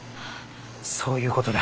そういうことだ。